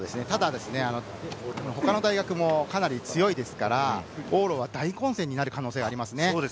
ただ他の大学もかなり強いですから、往路は大混戦になる可能性がありますね。